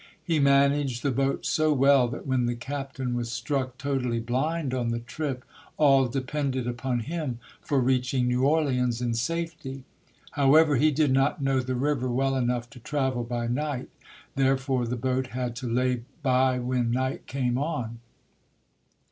He managed the boat so well that when the captain was struck totally blind on the trip, all depended upon him for reaching New Orleans in safety. However, he did not know the river well enough to travel by night; therefore the boat had to lay by when night came on.